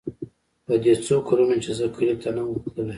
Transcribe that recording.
په دې څو کلونو چې زه کلي ته نه وم تللى.